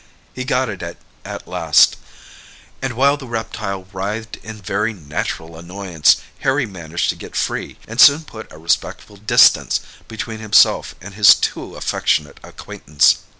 He got it at last, and while the reptile writhed in very natural annoyance, Harry managed to get free, and soon put a respectful distance between himself and his too affectionate acquaintance.